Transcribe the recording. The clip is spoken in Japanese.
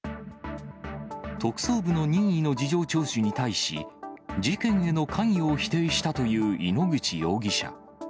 特捜部の任意の事情聴取に対し、事件への関与を否定したという井ノ口容疑者。